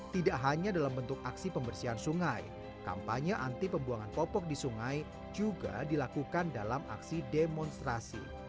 tidak hanya dalam bentuk aksi pembersihan sungai kampanye anti pembuangan popok di sungai juga dilakukan dalam aksi demonstrasi